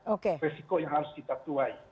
inilah resiko yang harus ditakduai